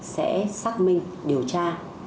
sẽ xác minh điều tra